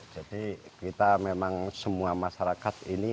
jadi kita memang semua masyarakat ini